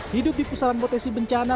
hidup di pusaran potensi bencana